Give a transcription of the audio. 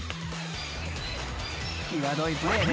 ［際どいプレーね］